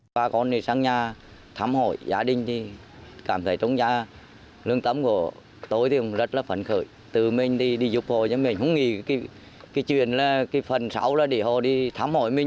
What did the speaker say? từ mình đi dục hồi mình không nghĩ cái chuyện phần sáu là để họ đi thăm hỏi mình